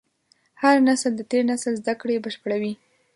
هر نسل د تېر نسل زدهکړې بشپړوي.